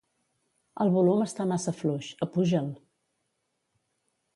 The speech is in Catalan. El volum està massa fluix; apuja'l.